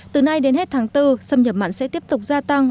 từ nay đến hết tháng bốn xâm nhập mặn sẽ tiếp tục gia tăng